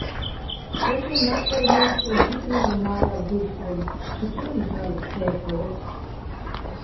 დაჩო ნატყერ მე́ხკჲოშ ჲიკნო́რ მა́რავ დუჲხტრენ, ჩუ ცო იხრალო̆ ჴე́რლ'რეხ.